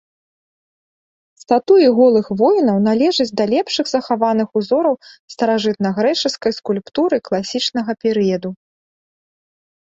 Статуі голых воінаў належаць да лепшых захаваных узораў старажытнагрэчаскай скульптуры класічнага перыяду.